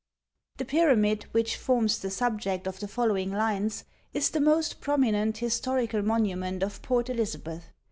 _ The Pyramid which forms the subject of the following lines is the most prominent historical monument of Port Elizabeth.